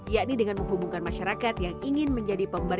yakni dengan menghubungkan masyarakat yang ingin menjadi pemerintah